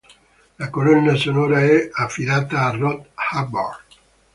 La colonna sonora è affidata a Rob Hubbard.